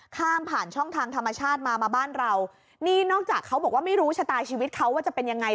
ข้ามผ่านช่องทางธรรมชาติมามาบ้านเรานี่นอกจากเขาบอกว่าไม่รู้ชะตาชีวิตเขาว่าจะเป็นยังไง